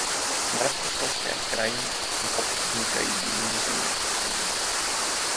V Moravskoslezském kraji naopak vznikají důlní zemětřesení.